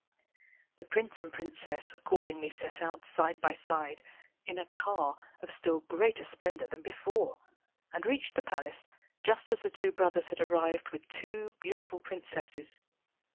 The prince and princess accordingly set out side by side, in a car of still greater splendour than before, and reached the palace just as the two brothers had arrived with two beautiful princesses.